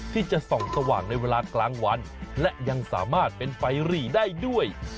ที่จะส่องสว่างในเวลากลางวันและยังสามารถเป็นไฟหรี่ได้ด้วย